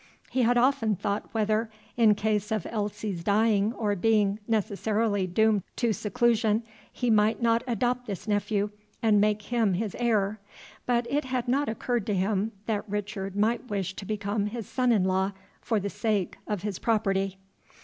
He had often thought whether, in case of Elsie's dying or being necessarily doomed to seclusion, he might not adopt this nephew and make him his heir; but it had not occurred to him that Richard might wish to become his son in law for the sake of his property.